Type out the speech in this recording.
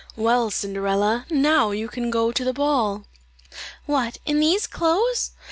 "Well, Cinderella, now you can go to the ball." "What, in these clothes?"